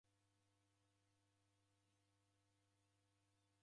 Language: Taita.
Oho ni mwana wa ani?